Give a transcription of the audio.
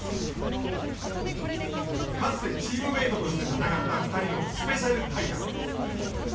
かつてチームメートとして戦った２人のスペシャル対談。